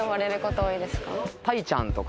「たいちゃん」とか。